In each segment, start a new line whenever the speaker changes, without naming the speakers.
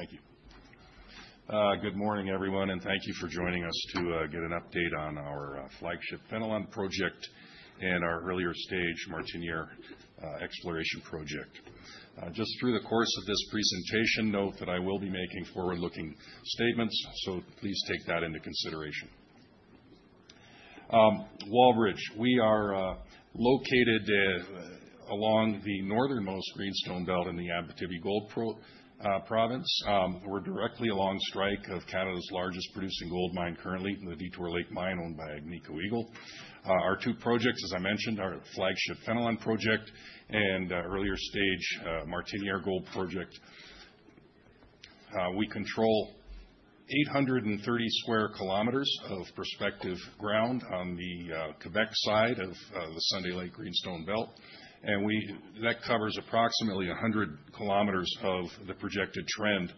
Thank you. Good morning, everyone, and thank you for joining us to get an update on our flagship Fenelon Project and our earlier stage Martinière exploration project. Just through the course of this presentation, note that I will be making forward-looking statements, so please take that into consideration. Wallbridge, we are located along the northernmost greenstone belt in the Abitibi Greenstone Belt. We're directly along strike of Canada's largest producing gold mine currently, the Detour Lake Mine owned by Agnico Eagle. Our two projects, as I mentioned, are the flagship Fenelon Project and earlier stage Martinière Gold Project. We control 830 square km of prospective ground on the Quebec side of the Sunday Lake Greenstone Belt, and that covers approximately 100 km of the projected trend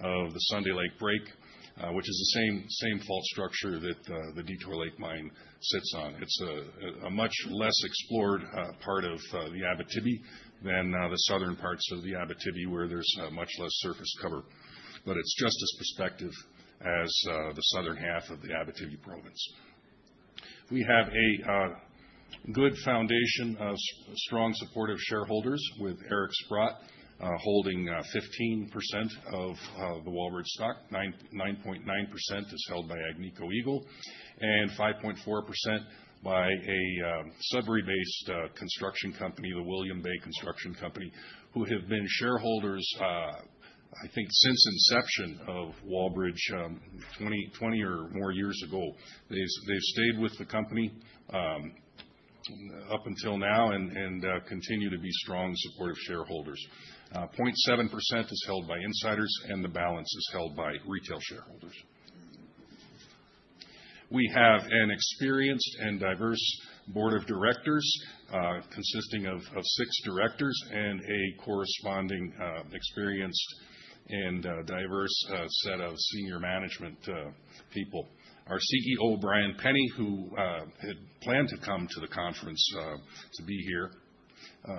of the Sunday Lake Break, which is the same fault structure that the Detour Lake Mine sits on. It's a much less explored part of the Abitibi than the southern parts of the Abitibi where there's much less surface cover, but it's just as prospective as the southern half of the Abitibi Province. We have a good foundation of strong supportive shareholders with Eric Sprott holding 15% of the Wallbridge stock, 9.9% is held by Agnico Eagle, and 5.4% by a Sudbury-based construction company, the William Day Construction Company, who have been shareholders, I think, since inception of Wallbridge 20 or more years ago. They've stayed with the company up until now and continue to be strong supportive shareholders. 0.7% is held by insiders, and the balance is held by retail shareholders. We have an experienced and diverse board of directors consisting of six directors and a corresponding experienced and diverse set of senior management people. Our CEO, Brian Penny, who had planned to come to the conference to be here,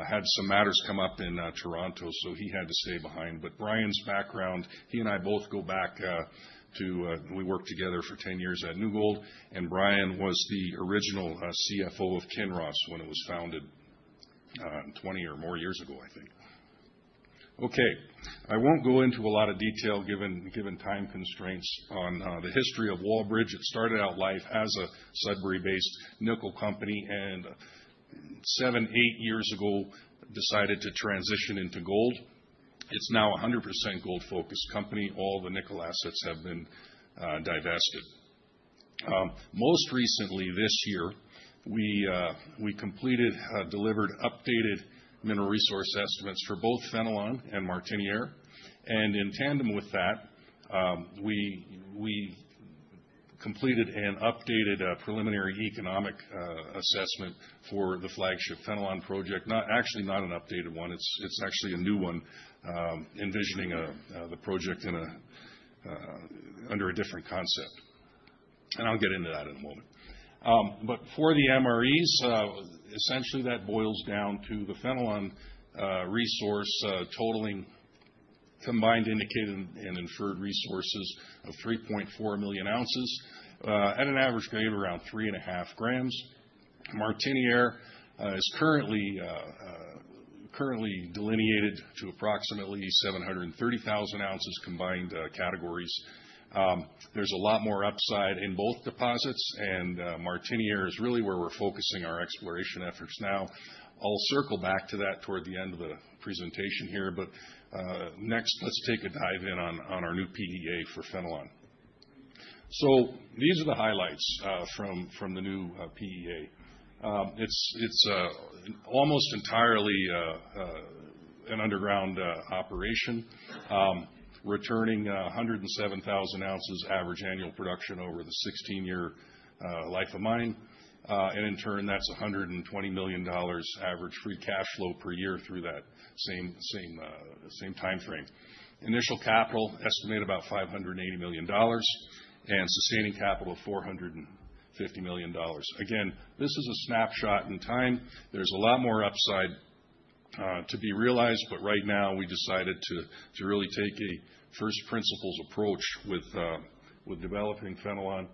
had some matters come up in Toronto, so he had to stay behind. But Brian's background, he and I both go back to we worked together for 10 years at New Gold, and Brian was the original CFO of Kinross when it was founded 20 or more years ago, I think. Okay, I won't go into a lot of detail given time constraints on the history of Wallbridge. It started out life as a Sudbury-based nickel company and seven, eight years ago decided to transition into gold. It's now a 100% gold-focused company. All the nickel assets have been divested. Most recently this year, we completed, delivered updated mineral resource estimates for both Fenelon and Martinière, and in tandem with that, we completed and updated a preliminary economic assessment for the flagship Fenelon project. Actually, not an updated one. It's actually a new one, envisioning the project under a different concept. And I'll get into that in a moment. But for the MREs, essentially that boils down to the Fenelon resource totaling combined indicated and inferred resources of 3.4 million ounces at an average grade of around three and a half grams. Martinière is currently delineated to approximately 730,000 ounces combined categories. There's a lot more upside in both deposits, and Martinière is really where we're focusing our exploration efforts now. I'll circle back to that toward the end of the presentation here, but next, let's take a dive in on our new PEA for Fenelon. So these are the highlights from the new PEA. It's almost entirely an underground operation, returning 107,000 ounces average annual production over the 16-year life of mine. And in turn, that's 120 million dollars average free cash flow per year through that same time frame. Initial capital estimated about 580 million dollars and sustaining capital of 450 million dollars. Again, this is a snapshot in time. There's a lot more upside to be realized, but right now we decided to really take a first principles approach with developing Fenelon.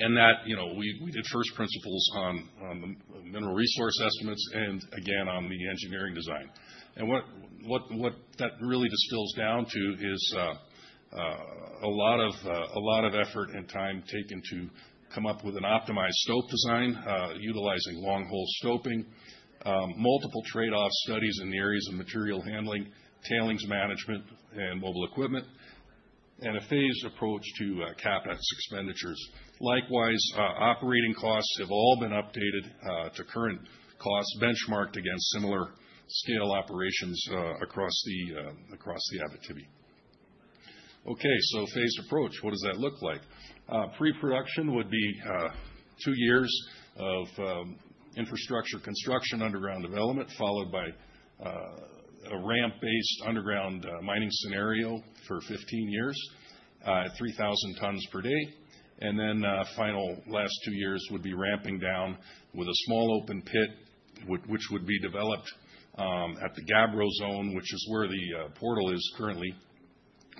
And that we did first principles on the mineral resource estimates and again on the engineering design. And what that really distills down to is a lot of effort and time taken to come up with an optimized stope design utilizing longhole stoping, multiple trade-off studies in the areas of material handling, tailings management, and mobile equipment, and a phased approach to CapEx expenditures. Likewise, operating costs have all been updated to current costs benchmarked against similar scale operations across the Abitibi. Okay, so phased approach, what does that look like? Pre-production would be two years of infrastructure construction, underground development, followed by a ramp-based underground mining scenario for 15 years at 3,000 tons per day. And then final last two years would be ramping down with a small open pit, which would be developed at the Gabbro Zone, which is where the portal is currently.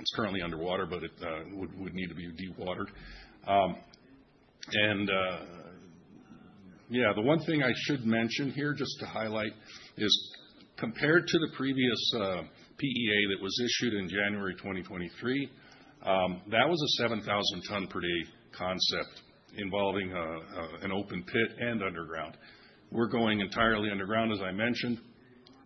It's currently underwater, but it would need to be dewatered. And yeah, the one thing I should mention here just to highlight is compared to the previous PEA that was issued in January 2023, that was a 7,000 ton per day concept involving an open pit and underground. We're going entirely underground, as I mentioned,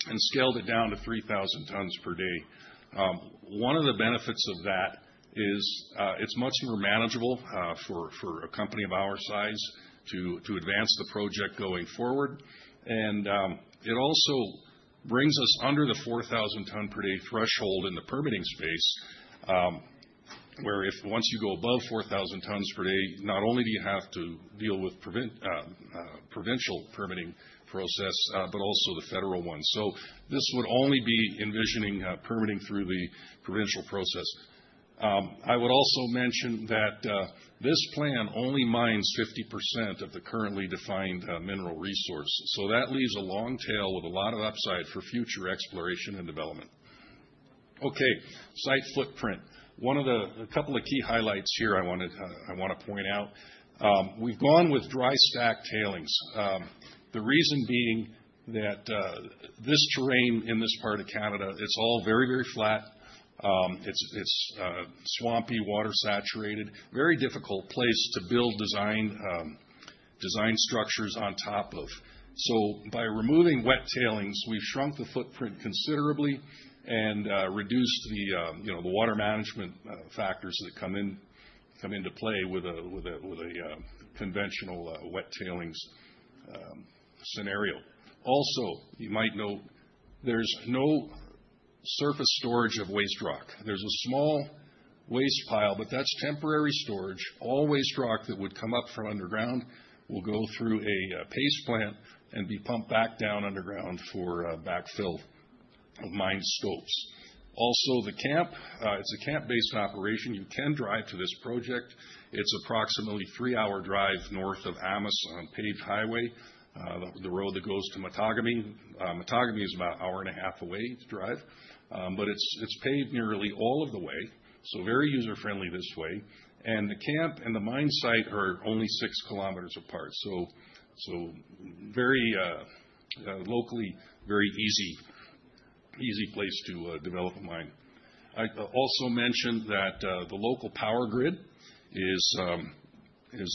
and scaled it down to 3,000 tons per day. One of the benefits of that is it's much more manageable for a company of our size to advance the project going forward, and it also brings us under the 4,000 ton per day threshold in the permitting space, where if once you go above 4,000 tons per day, not only do you have to deal with provincial permitting process, but also the federal one, so this would only be envisioning permitting through the provincial process. I would also mention that this plan only mines 50% of the currently defined mineral resource. So that leaves a long tail with a lot of upside for future exploration and development. Okay, site footprint. One of the couple of key highlights here I want to point out, we've gone with dry stack tailings. The reason being that this terrain in this part of Canada, it's all very, very flat. It's swampy, water saturated, very difficult place to build design structures on top of. So by removing wet tailings, we've shrunk the footprint considerably and reduced the water management factors that come into play with a conventional wet tailings scenario. Also, you might note there's no surface storage of waste rock. There's a small waste pile, but that's temporary storage. All waste rock that would come up from underground will go through a paste plant and be pumped back down underground for backfill of mine stopes. Also, the camp, it's a camp-based operation. You can drive to this project. It's approximately a three-hour drive north of Amos on paved highway, the road that goes to Matagami. Matagami is about an hour and a half away to drive, but it's paved nearly all of the way, so very user-friendly this way. The camp and the mine site are only six kilometers apart. Locally, very easy place to develop a mine. I also mentioned that the local power grid is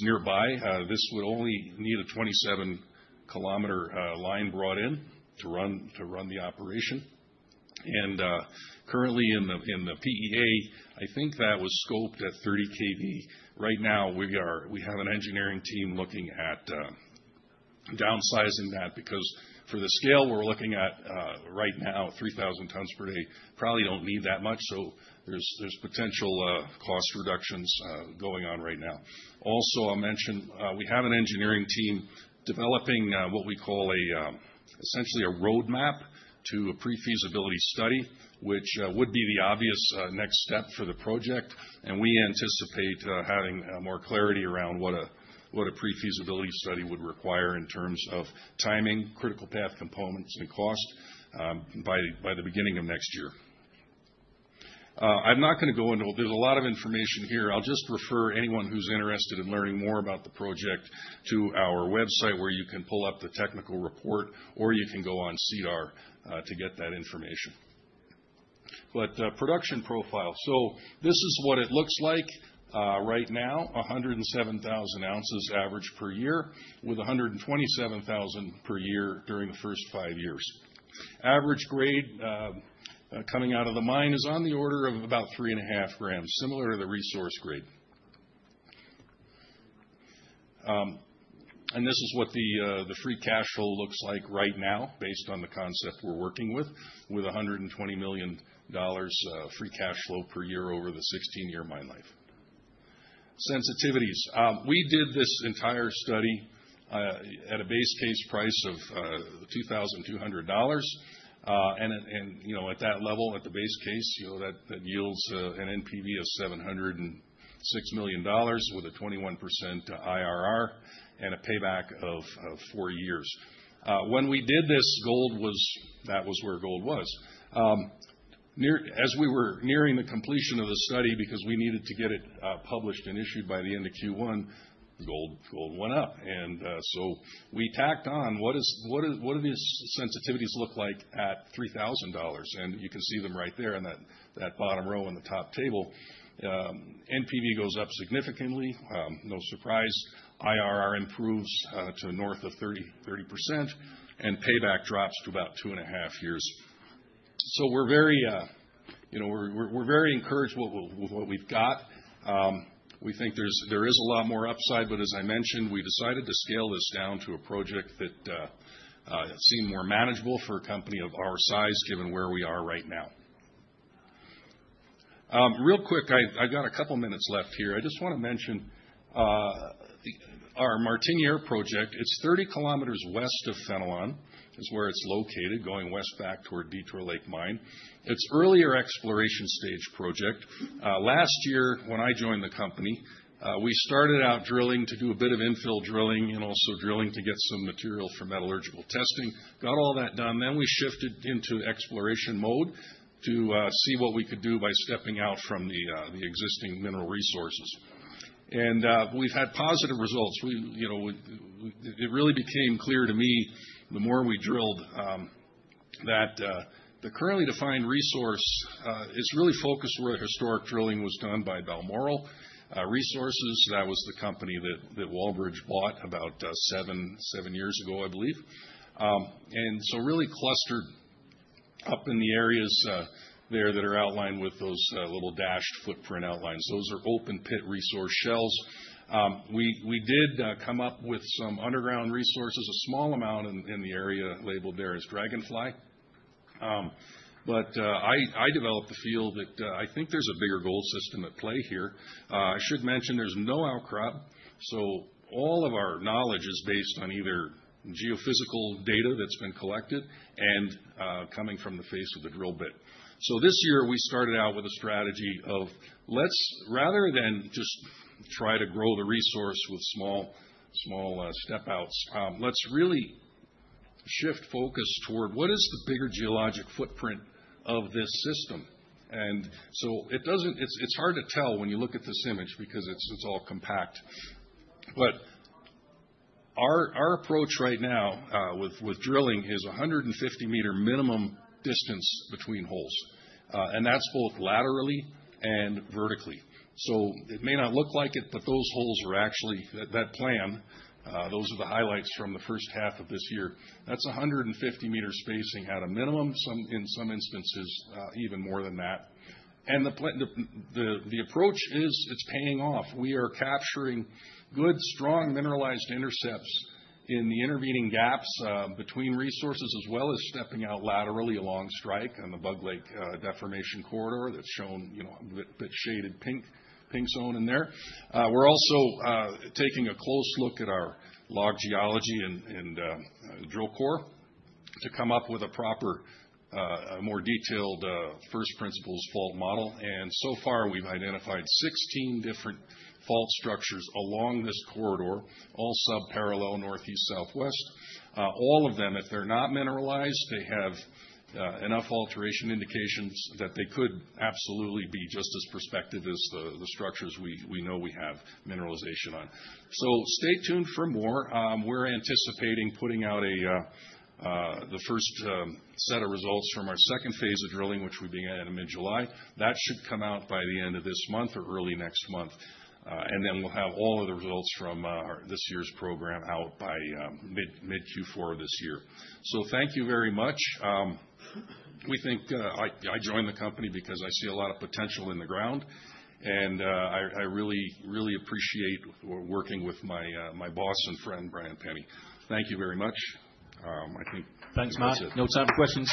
nearby. This would only need a 27-kilometer line brought in to run the operation. Currently in the PEA, I think that was scoped at 30 kV. Right now, we have an engineering team looking at downsizing that because for the scale we're looking at right now, 3,000 tons per day, probably don't need that much. There's potential cost reductions going on right now. Also, I'll mention we have an engineering team developing what we call essentially a roadmap to a pre-feasibility study, which would be the obvious next step for the project. We anticipate having more clarity around what a pre-feasibility study would require in terms of timing, critical path components, and cost by the beginning of next year. I'm not going to go into. There's a lot of information here. I'll just refer anyone who's interested in learning more about the project to our website where you can pull up the technical report or you can go on SEDAR to get that information. Production profile, so this is what it looks like right now, 107,000 ounces average per year with 127,000 per year during the first five years. Average grade coming out of the mine is on the order of about three and a half grams, similar to the resource grade. This is what the free cash flow looks like right now based on the concept we're working with, with $120 million free cash flow per year over the 16-year mine life. Sensitivities. We did this entire study at a base case price of $2,200. And at that level, at the base case, that yields an NPV of $706 million with a 21% IRR and a payback of four years. When we did this, gold was where gold was. As we were nearing the completion of the study because we needed to get it published and issued by the end of Q1, gold went up. And so we tacked on what do these sensitivities look like at $3,000? And you can see them right there in that bottom row in the top table. NPV goes up significantly, no surprise. IRR improves to north of 30%, and payback drops to about two and a half years, so we're very encouraged with what we've got. We think there is a lot more upside, but as I mentioned, we decided to scale this down to a project that seemed more manageable for a company of our size given where we are right now. Real quick, I've got a couple of minutes left here. I just want to mention our Martinière project. It's 30 kilometers west of Fenelon. It's where it's located going west back toward Detour Lake Mine. It's an earlier exploration stage project. Last year, when I joined the company, we started out drilling to do a bit of infill drilling and also drilling to get some material for metallurgical testing. Got all that done. Then we shifted into exploration mode to see what we could do by stepping out from the existing mineral resources. And we've had positive results. It really became clear to me the more we drilled that the currently defined resource is really focused where historic drilling was done by Balmoral Resources. That was the company that Wallbridge bought about seven years ago, I believe. And so really clustered up in the areas there that are outlined with those little dashed footprint outlines. Those are open pit resource shells. We did come up with some underground resources, a small amount in the area labeled there as Dragonfly. But I developed the feel that I think there's a bigger gold system at play here. I should mention there's no outcrop. So all of our knowledge is based on either geophysical data that's been collected and coming from the face of the drill bit. So this year, we started out with a strategy of rather than just try to grow the resource with small step-outs, let's really shift focus toward what is the bigger geologic footprint of this system. And so it's hard to tell when you look at this image because it's all compact. But our approach right now with drilling is a 150-meter minimum distance between holes. And that's both laterally and vertically. So it may not look like it, but those holes are actually that plan. Those are the highlights from the first half of this year. That's 150-meter spacing at a minimum, in some instances, even more than that. And the approach is it's paying off. We are capturing good, strong mineralized intercepts in the intervening gaps between resources as well as stepping out laterally along strike on the Bug Lake Deformation Corridor that's shown a bit shaded pink zone in there. We're also taking a close look at our local geology and drill core to come up with a proper, more detailed first principles fault model, and so far, we've identified 16 different fault structures along this corridor, all subparallel northeast-southwest. All of them, if they're not mineralized, they have enough alteration indications that they could absolutely be just as prospective as the structures we know we have mineralization on, so stay tuned for more. We're anticipating putting out the first set of results from our second phase of drilling, which we began in mid-July. That should come out by the end of this month or early next month. And then we'll have all of the results from this year's program out by mid-Q4 of this year. So thank you very much. That's why I joined the company because I see a lot of potential in the ground. And I really, really appreciate working with my boss and friend, Brian Penny. Thank you very much. I think that's it.
Thanks, Marz. No time for questions.